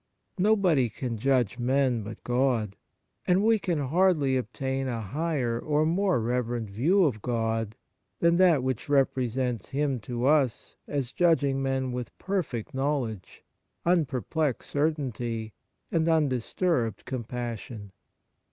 Nobody can judge men but God, and we can hardly obtain a higher or more reverent view of God than that which represents Him to us as judging men wdth perfect knowledge, unperplexed certainty, and un disturbed compassion.